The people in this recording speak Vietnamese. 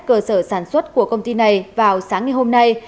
cơ sở sản xuất của công ty này vào sáng ngày hôm nay